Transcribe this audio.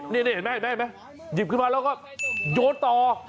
นี่เห็นไหมหยิบขึ้นมาแล้วก็โยนต่อ